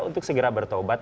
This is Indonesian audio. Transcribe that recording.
untuk segera bertobat